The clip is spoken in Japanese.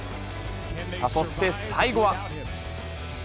そして最後は。